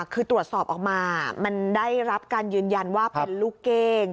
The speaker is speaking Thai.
คือตรวจสอบออกมามันได้รับการยืนยันว่าเป็นลูกเก้ง